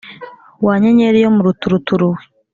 Wa nyenyeri yo mu ruturuturu we